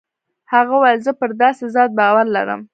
هغه وويل زه پر داسې ذات باور لرم.